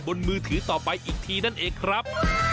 มือถือต่อไปอีกทีนั่นเองครับ